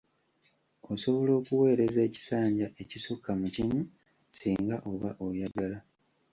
Osobola okuweereza ekisanja ekisukka mu kimu singa oba oyagala.